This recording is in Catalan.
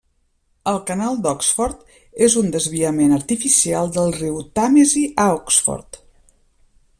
El canal d'Oxford és un desviament artificial del riu Tàmesi a Oxford.